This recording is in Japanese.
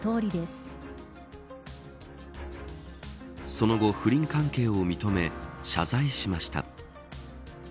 その後不倫関係を認め謝罪しました。